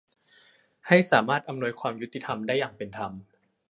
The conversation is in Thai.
ให้สามารถอำนวยความยุติธรรมได้อย่างเป็นธรรม